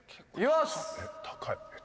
高い。